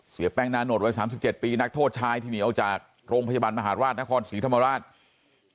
เสียแป้งนานดวัย๓๗ปีนักโทษชายที่หนีออกจากโรงพยาบาลมหาราชนครศรีธรรมราช